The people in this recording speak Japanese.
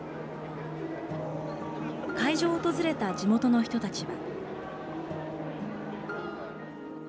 会場を訪れた地元の人たちは。